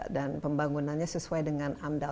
dan pembangunannya sesuai dengan amdal